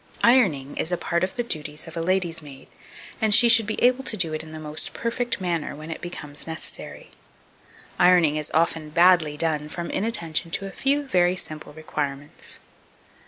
2282. Ironing is a part of the duties of a lady's maid, and she should be able to do it in the most perfect manner when it becomes necessary. Ironing is often badly done from inattention to a few very simple requirements.